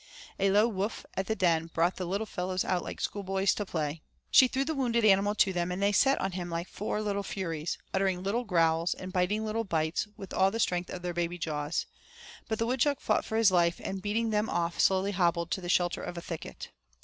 A low 'woof' at the den brought the little fellows out like schoolboys to play. She threw the wounded animal to them and they set on him like four little furies, uttering little growls and biting little bites with all the strength of their baby jaws, but the woodchuck fought for his life and beating them off slowly hobbled to the shelter of a thicket.